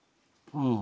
うん。